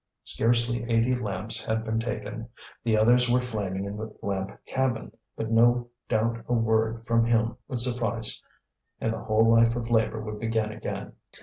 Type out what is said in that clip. Scarcely eighty lamps had been taken; the others were flaming in the lamp cabin. But no doubt a word from him would suffice, and the whole life of labour would begin again.